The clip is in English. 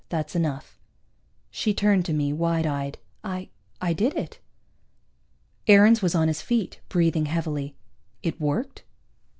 "That's enough." She turned to me, wide eyed. "I I did it." Aarons was on his feet, breathing heavily. "It worked?"